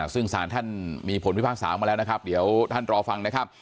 ซึ่งสารท่านมีผลพิพากษามาแล้วนะครับเดี๋ยวท่านรอฟังนะครับ